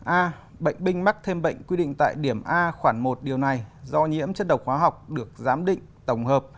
a bệnh binh mắc thêm bệnh quy định tại điểm a khoảng một điều này do nhiễm chất độc hóa học được giám định tổng hợp